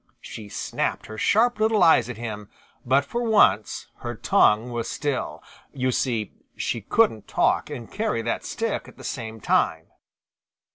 She snapped her sharp little eyes at him, but for once her tongue was still. You see, she couldn't talk and carry that stick at the same time.